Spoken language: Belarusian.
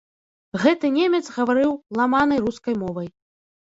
Гэты немец гаварыў ламанай рускай мовай.